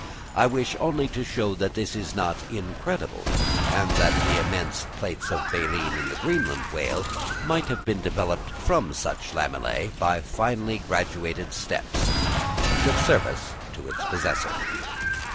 I wish only to show that this is not incredible, and that the immense plates of baleen in the Greenland whale might have been developed from such lamellæ by finely graduated steps, each of service to its possessor.